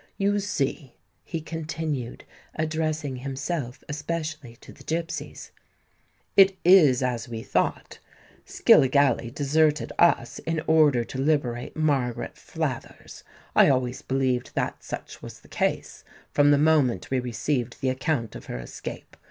You see," he continued, addressing himself especially to the gipsies, "it is as we thought. Skilligalee deserted us in order to liberate Margaret Flathers. I always believed that such was the case, from the moment we received the account of her escape.